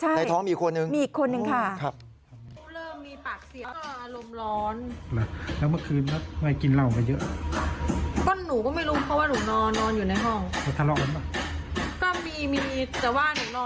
ในท้องอีกคนหนึ่งค่ะโอ้โฮครับ